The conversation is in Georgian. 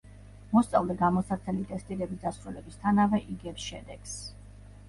მოსწავლე გამოსაცდელი ტესტირების დასრულებისთანავე იგებს შედეგს.